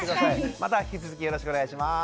また引き続きよろしくお願いします。